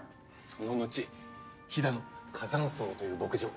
その後飛騨の火山層という牧場。